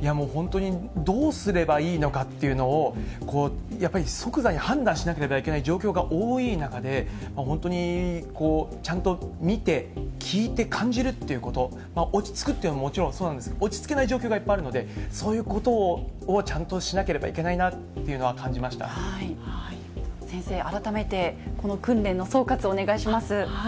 いやもう、本当にどうすればいいのかっていうのを、やっぱり即座に判断しなければいけない状況が多い中で、本当にちゃんと見て、聞いて、感じるということ、落ち着くっていうのももちろんそうなんですけど、落ち着けない状況がいっぱいあるので、そういうことをちゃんとしなければいけないなというのを感じまし先生、改めてこの訓練の総括をお願いします。